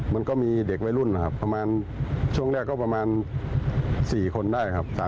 มันก็มีเด็กวัยรุ่นนะครับประมาณช่วงแรกก็ประมาณ๔คนได้ครับ